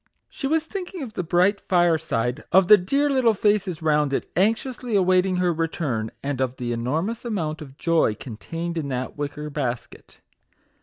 She was thinking of the 4 MAGIC WORDS. bright fireside, of the dear little faces round it anxiously awaiting her return, and of the enor mous amount of joy contained in that wicker basket.